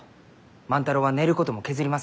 万太郎は寝ることも削りますきね。